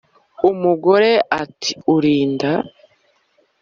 u mugore ati urinda